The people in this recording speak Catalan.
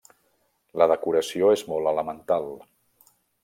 La decoració és molt elemental.